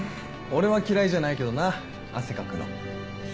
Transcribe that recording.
俺は嫌いじゃないけどな汗かくの。